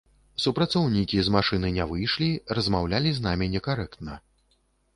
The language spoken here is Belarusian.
Супрацоўнікі з машыны не выйшлі, размаўлялі з намі некарэктна.